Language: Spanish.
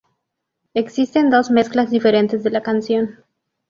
Existen dos mezclas diferentes de la canción.